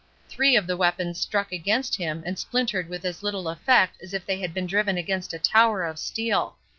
Three of the weapons struck against him, and splintered with as little effect as if they had been driven against a tower of steel.